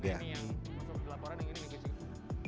ini yang masuk di laporan ini kucing